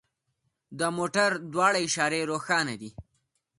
د موټر دواړه اشارې روښانه کړئ